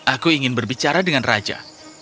aku ingin berbicara dengan raja